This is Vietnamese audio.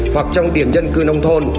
hoặc trong điểm dân cư nông thôn